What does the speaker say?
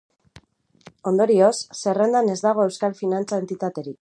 Ondorioz, zerrendan ez dago euskal finantza-entitaterik.